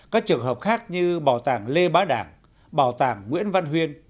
các trường hợp khác như bảo tàng lê bá đảng bảo tàng nguyễn văn huyên